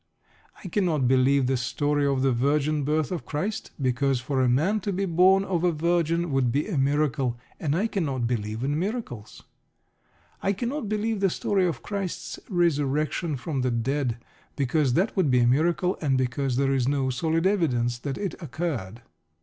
I cannot believe the story of the virgin birth of Christ. Because for a man to be born of a virgin would be a miracle, and I cannot believe in miracles. I cannot believe the story of Christ's resurrection from the dead. Because that would be a miracle, and because there is no solid evidence that it occurred.